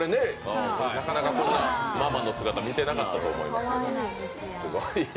なかなかこんなママの姿、見てなかったと思うから。